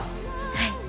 はい。